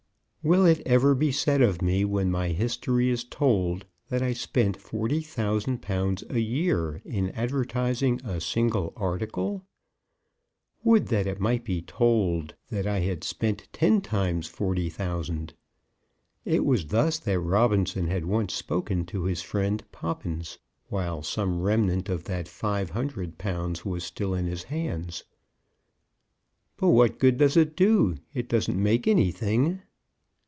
"Will it ever be said of me when my history is told that I spent forty thousand pounds a year in advertising a single article? Would that it might be told that I had spent ten times forty thousand." It was thus that Robinson had once spoken to his friend Poppins, while some remnant of that five hundred pounds was still in his hands. "But what good does it do? It don't make anything."